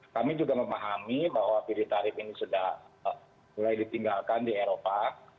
kami juga memahami bahwa fili tarif ini sudah mulai ditinggalkan di eropa